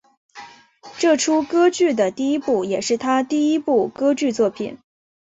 这出歌剧的第一部也是他第一部歌剧作品。